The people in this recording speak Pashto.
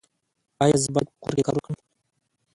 ایا زه باید په کور کې کار وکړم؟